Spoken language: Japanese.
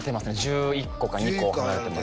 １１個か１２個離れてます